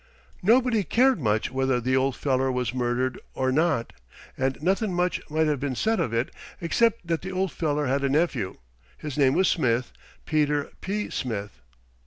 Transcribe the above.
Nobody cared much whether the old feller was murdered or not, and nothin' much might have been said of it except that the old feller had a nephew. His name was Smith Peter P. Smith."